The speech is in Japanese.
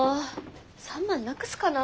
３万なくすかな？